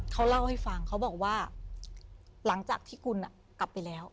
เขาเล่าให้ฟังเขาบอกว่าหลังจากที่คุณกลับไปแล้ว